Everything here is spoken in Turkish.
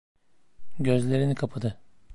Gözlerini kapadı.